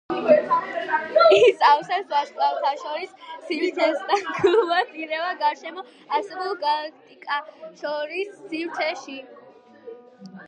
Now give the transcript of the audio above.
ის ავსებს ვარსკვლავთშორის სივრცეს და გლუვად ირევა გარშემო არსებულ გალაქტიკათშორის სივრცეში.